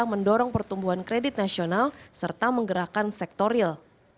mendorong pertumbuhan kredit nasional serta menggerakkan sektor real